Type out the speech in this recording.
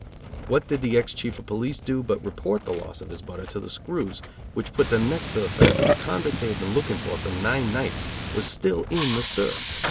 What did the ex Chief of police do but report the loss of his butter to the screws which put them next to the fact that the convict they had been looking for for nine nights was still in the stir.